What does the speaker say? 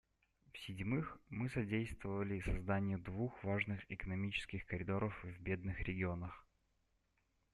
В-седьмых, мы содействовали созданию двух важных экономических коридоров в бедных регионах.